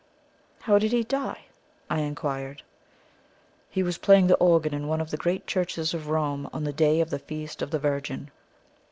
"How did he die?" I inquired. "He was playing the organ in one of the great churches of Rome on the day of the Feast of the Virgin.